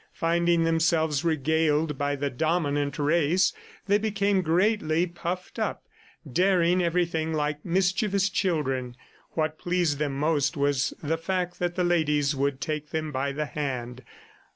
Finding themselves regaled by the dominant race, they became greatly puffed up, daring everything like mischievous children. What pleased them most was the fact that the ladies would take them by the hand.